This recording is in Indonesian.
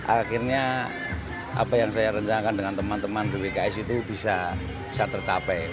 akhirnya apa yang saya rencangkan dengan teman teman di wks itu bisa tercapai